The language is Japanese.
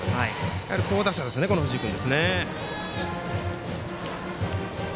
好打者ですね、この藤井君。